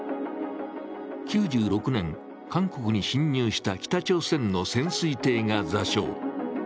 ９６年、韓国に侵入した北朝鮮の潜水艇が座礁。